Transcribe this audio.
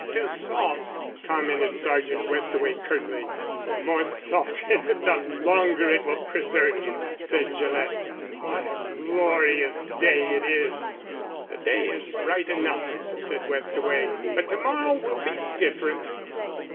"Too salt," commented Sergeant Westaway curtly. "The more salt in it the longer it will preserve you," said Gillett. "What a glorious day it is." "The day is right enough," said Westaway. "But to morrow will be different."